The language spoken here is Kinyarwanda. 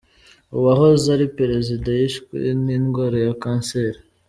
Uwahoze ari perezida yishwe n’indwara ya kanseri